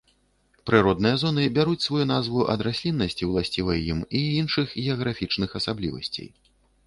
Прыродныя зоны бяруць сваю назву ад расліннасці, уласцівай ім, і іншых геаграфічных асаблівасцей.